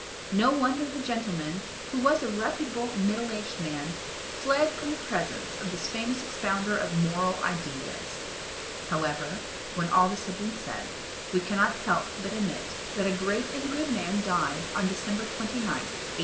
No wonder the gentleman, who was a reputable middle aged man, fled from the presence of this famous expounder of 'Moral Ideas.' However, when all this has been said we cannot help but admit that a great and good man died on December 29th, 1872.